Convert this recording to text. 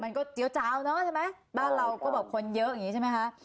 เจี๊ยวจาวเนอะใช่ไหมบ้านเราก็แบบคนเยอะอย่างนี้ใช่ไหมคะ